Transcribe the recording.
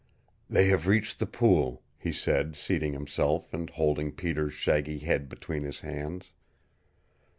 "They have reached the pool," he said, seating himself and holding Peter's shaggy head between his hands.